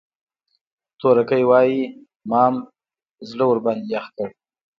تورکى وايي مام زړه ورباندې يخ کړ.